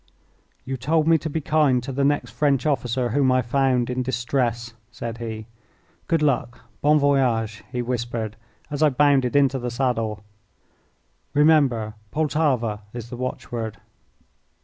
"You told me to be kind to the next French officer whom I found in distress," said he. "Good luck! Bon voyage!" he whispered, as I bounded into the saddle. "Remember, 'Poltava' is the watchword."